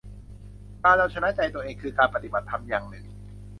การเอาชนะใจตัวเองคือการปฏิบัติธรรมอย่างหนึ่ง